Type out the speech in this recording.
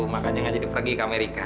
makanya gak jadi pergi ke amerika